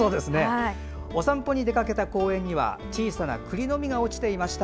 お散歩に出かけた公園には小さなくりの実が落ちていました。